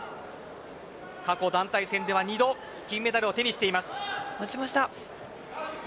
過去団体戦では２度金メダルを手にしています。